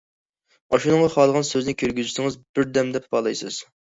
ئاشۇنىڭغا خالىغان سۆزنى كىرگۈزسىڭىز بىردەمدە تاپالايسىز.